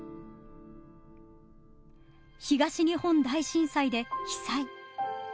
東日本大震災で被災。